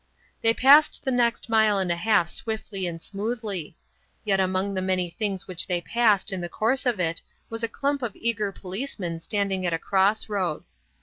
They passed the next mile and a half swiftly and smoothly; yet among the many things which they passed in the course of it was a clump of eager policemen standing at a cross road.